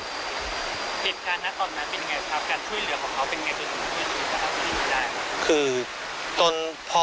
ติดกันนะตอนนั้นเป็นไงครับการช่วยเหลือของเขาเป็นไง